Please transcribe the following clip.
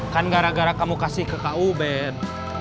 kan gara gara kamu kasih ke ku ben